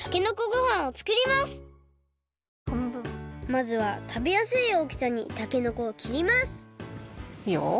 まずはたべやすい大きさにたけのこをきりますいいよ。